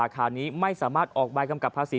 จำนวนนักท่องเที่ยวที่เดินทางมาพักผ่อนเพิ่มขึ้นในปีนี้